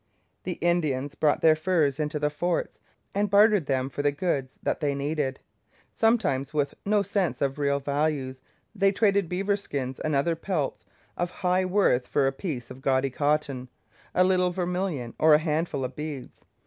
The Indians brought their furs into the forts and bartered them for the goods that they needed. Sometimes, with no sense of real values, they traded beaver skins and other pelts of high worth for a piece of gaudy cotton, a little vermilion, or a handful of beads.